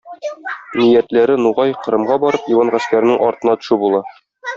Ниятләре - Нугай, Кырымга барып, Иван гаскәренең артына төшү була.